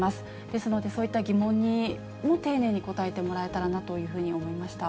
ですので、そういった疑問にも丁寧にこたえてもらえたらなと思いました。